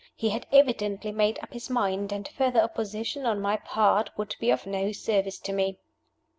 He had evidently made up his mind; and further opposition on my part would be of no service to me.